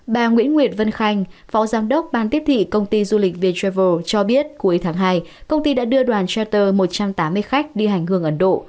bà nguyễn nguyệt vân khanh phó giám đốc ban tiếp thị công ty du lịch viravel cho biết cuối tháng hai công ty đã đưa đoàn tuter một trăm tám mươi khách đi hành hương ấn độ